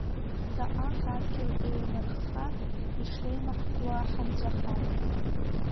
Ҵаҟа ҳадгьыл еимырхха, ишеимаҳкуа ҳанҵәаха…